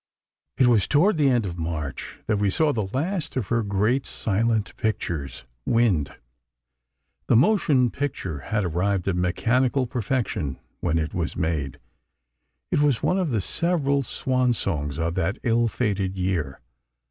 It was toward the end of March that we saw the last of her great silent pictures, "Wind." The motion picture had arrived at mechanical perfection when it was made. It was one of the several "swan songs" of that ill fated year.